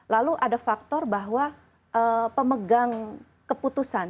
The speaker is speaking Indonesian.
lalu ada faktor bahwa pemegang keputusan